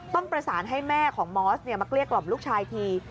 ต้องประสานให้แม่ของมอสมาเกลี้ยกล่อมลูกชายที